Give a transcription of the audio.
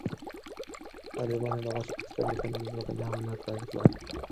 طالبانو د غچ اخیستنې په نوم ځمکني عملیات پیل کړل.